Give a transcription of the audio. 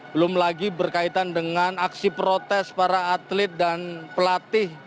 belum lagi berkaitan dengan aksi protes para atlet dan pelatih